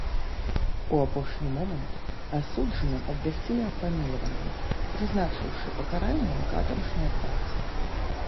У апошні момант асуджаным абвясцілі аб памілаванні, прызначыўшы пакараннем катаржныя працы.